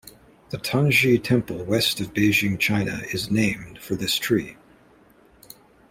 The Tanzhe Temple west of Beijing, China is named for this tree.